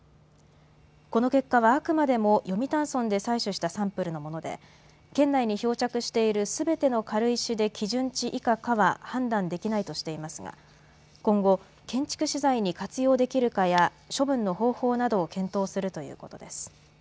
この結果はあくまでも読谷村で採取したサンプルのもので県内に漂着しているすべての軽石で基準値以下かは判断できないとしていますが、今後、建築資材に活用できるかや処分の方法などを検討するということです。